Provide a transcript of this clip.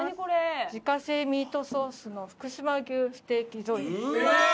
自家製ミートソースの福島牛ステーキ添えです。